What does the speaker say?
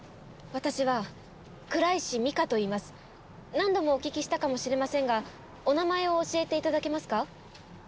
何度もお聞きしたかもしれませんがお名前を教えていただけますか？